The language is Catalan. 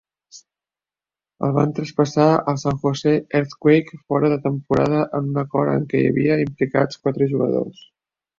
El van traspassar al San Jose Earthquakes fora de temporada en un acord en què hi havia implicats quatre jugadors.